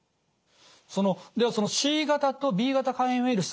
ではＣ型とＢ型肝炎ウイルス